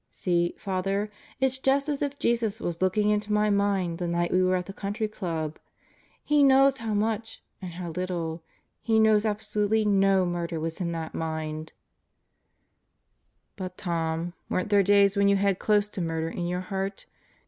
See, Father, it's just as if Jesus was looking into my mind the night we .were at the Country Club. He knows how much and how little He knows absolutely no murder was in that mind. ,.." Sentenced to Birth 37 "But, Tom, weren't there days when you had close to murder in your heart?